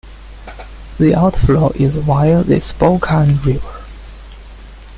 The outflow is via the Spokane River.